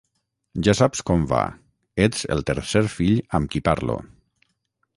Ja saps com va, ets el tercer fill amb qui parlo.